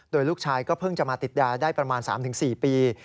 โดยลูกชายก็เพิ่งจะมาติดยาได้ประมาณ๓๔ปี